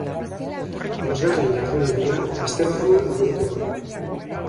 Bosgarren jardunaldia astebarruan burutuko da.